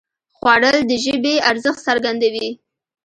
خوړل د ژبې ارزښت څرګندوي